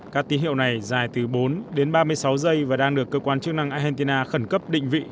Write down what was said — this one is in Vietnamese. các tín hiệu này dài từ bốn đến ba mươi sáu giây và đang được cơ quan chức năng argentina khẩn cấp định vị